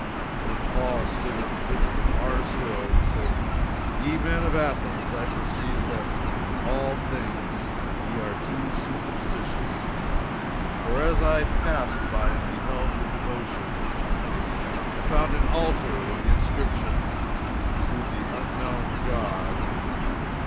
"Then Paul stood in the midst of Mars hill, and said, Ye men of Athens, I perceive that in all things ye are too superstitious; For as I passed by and beheld your devotions, I found an altar with this inscription: To THE UNKNOWN GOD.